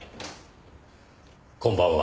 こんばんは。